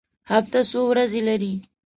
هفته څو ورځې لري؟